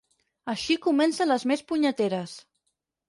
Així comencen les més punyeteres.